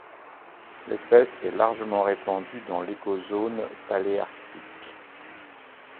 L'espèce est largement répandue dans l'écozone paléarctique.